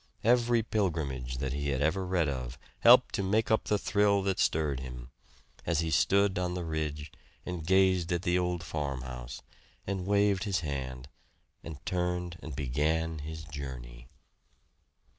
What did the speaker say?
Every pilgrimage that he had ever read of helped to make up the thrill that stirred him, as he stood on the ridge and gazed at the old farmhouse, and waved his hand, and turned and began his journey.